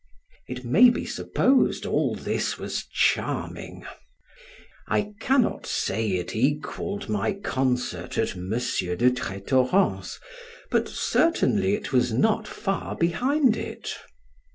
It may be supposed all this was charming; I cannot say it equalled my concert at Monsieur de Tretoren's, but certainly it was not far behind it.